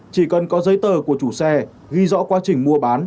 chỉ cần có giấy tờ của chủ xe ghi rõ quá trình mua bán